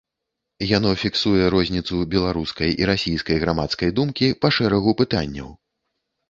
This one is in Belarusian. Яно фіксуе розніцу беларускай і расійскай грамадскай думкі па шэрагу пытанняў.